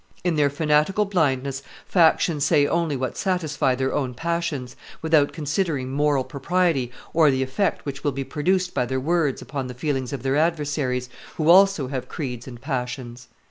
In their fanatical blindness factions say only what satisfies their own passions, without considering moral propriety or the effect which will be produced by their words upon the feelings of their adversaries, who also have creeds and passions.